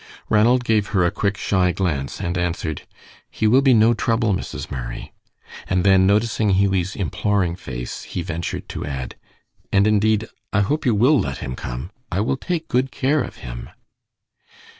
Ranald gave her a quick, shy glance and answered: "He will be no trouble, Mrs. Murray"; and then, noticing Hughie's imploring face, he ventured to add, "and indeed, I hope you will let him come. I will take good care of him."